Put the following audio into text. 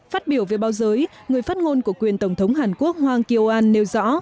phát biểu về báo giới người phát ngôn của quyền tổng thống hàn quốc hoàng kiêu an nêu rõ